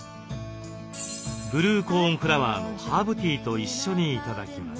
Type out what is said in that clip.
ブルーコーンフラワーのハーブティーと一緒に頂きます。